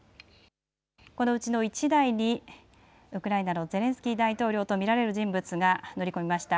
このうちの１台にウクライナのゼレンスキー大統領と見られる人物が乗り込みました。